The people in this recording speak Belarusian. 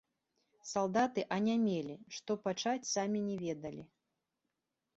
Салдаты анямелі, што пачаць, самі не ведалі.